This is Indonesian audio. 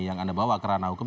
yang anda bawa kerana hukum